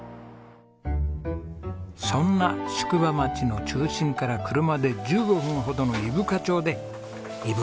そんな宿場町の中心から車で１５分ほどの伊深町でいぶ